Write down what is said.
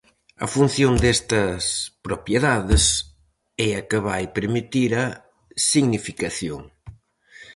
A función destas "propiedades" é a que vai permitir a "significación".